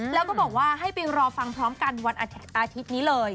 แล้วก็บอกว่าให้ไปรอฟังพร้อมกันวันอาทิตย์นี้เลย